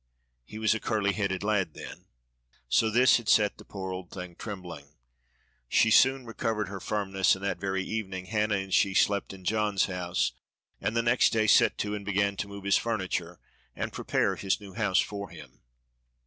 He was a curly headed lad then." So this had set the poor old thing trembling. She soon recovered her firmness and that very evening Hannah and she slept in John's house, and the next day set to and began to move his furniture and prepare his new house for him.